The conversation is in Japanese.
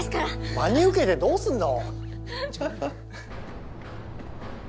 真に受けてどうすんの。